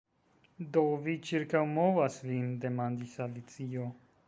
"Do, vi ĉirkaŭmovas vin?" demandis Alicio.